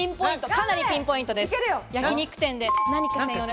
かなりピンポイントです。